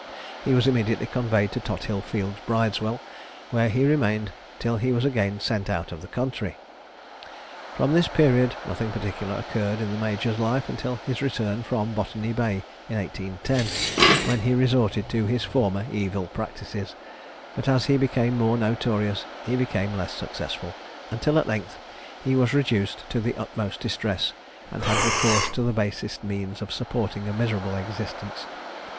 He was immediately conveyed to Tothill fields Bridewell, where he remained till he was again sent out of the country. From this period nothing particular occurred in the major's life until his return from Botany Bay in 1810, when he resorted to his former evil practices; but as he became more notorious he became less successful, until at length he was reduced to the utmost distress, and had recourse to the basest means of supporting a miserable existence.